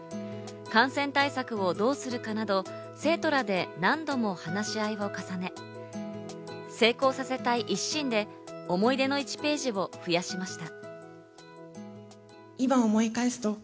感染対策をどうするかなど、生徒らで何度も話し合いを重ね、成功させたい一心で、思い出の１ページを増やしました。